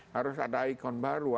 harus ada ikon baru